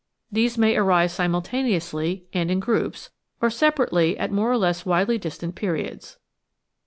These may arise simultaneously and in groups, or separately at more or less widely distant periods."